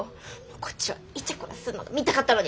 こっちはイチャコラすんの見たかったのに。